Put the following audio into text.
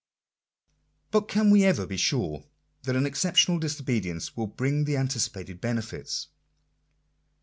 But can we ever be sure that an exceptional disobedience will bring the anticipated benefits